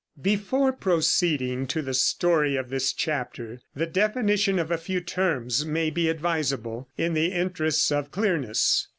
Before proceeding to the story of this chapter, the definition of a few terms may be advisable, in the interests of clearness.